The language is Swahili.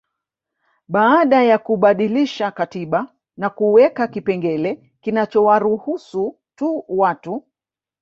Baada ya kubadilisha katiba na kuweka kipengele kinachowaruhusu tu watu